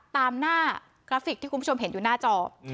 ตามหน้ากราฟิกที่คุณผู้ชมเห็นอยู่หน้าจอ